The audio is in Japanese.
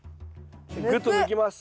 ぐっと抜きます。